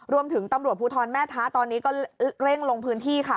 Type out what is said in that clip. รวมถึงตำรวจภูทรแม่ท้าตอนนี้ก็เร่งลงพื้นที่ค่ะ